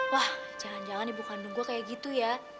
wah jangan jangan ibu kandung gue kayak gitu ya